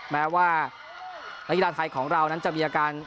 แม้ว่านักกีฬาไทยของเรานั้นจะมีอาการ